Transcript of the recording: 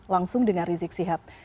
langsung dengan rizik sihab